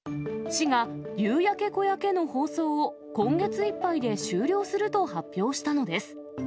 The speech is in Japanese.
市が、夕焼け小焼けの放送を、今月いっぱいで終了すると発表したのです。